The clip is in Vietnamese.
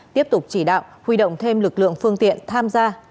tiếp tục chỉ đạo huy động thêm lực lượng phương tiện tham gia